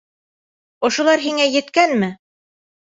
Ошолар һиңә еткәнме?